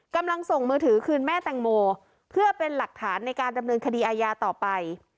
กำลังส่งมือถือคืนแม่แตงโมเพื่อเป็นหลักฐานในการดำเนินคดีอาญาต่อไป